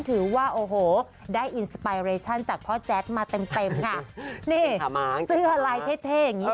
ถือว่าโอ้โหได้จากพ่อแจ๊กมาเต็มเต็มค่ะนี่เสื้ออะไรเท่อย่างงี้